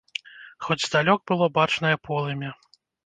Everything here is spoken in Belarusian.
Хоць здалёк было бачнае полымя.